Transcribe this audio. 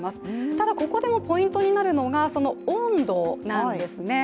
ただ、ここでもポイントになるのがその温度なんですね。